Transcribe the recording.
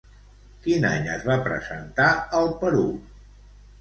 Quin any es va presentar al Perú?